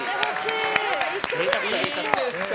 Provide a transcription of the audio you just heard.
いいんですか。